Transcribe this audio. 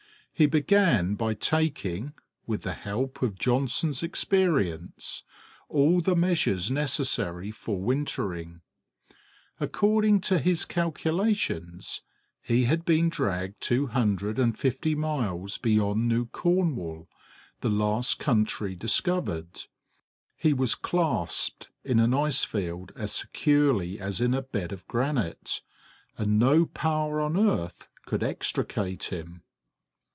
He began by taking, with the help of Johnson's experience, all the measures necessary for wintering. According to his calculations he had been dragged two hundred and fifty miles beyond New Cornwall, the last country discovered; he was clasped in an ice field as securely as in a bed of granite, and no power on earth could extricate him.